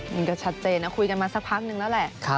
มันก็ชัดเจนนะคุยกันมาสักพักนึงแล้วแหละ